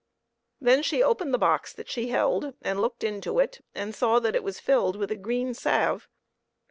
Then she opened the box that she held, and looked into it and saw that it was filled with a green salve.